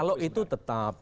kalau itu tetap